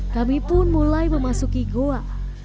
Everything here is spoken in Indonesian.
kami pun mulai memasuki goa